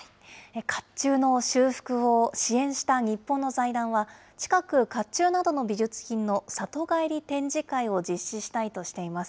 かっちゅうの修復を支援した日本の財団は近く、かっちゅうなどの美術品の里帰り展示会を実施したいとしています。